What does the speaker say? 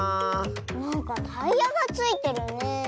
なんかタイヤがついてるねえ。